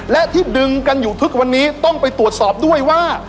และที่ดึงกันอยู่ทุกวันนี้ต้องไปตรวจสอบด้วยว่า